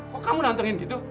kok kamu nantengin gitu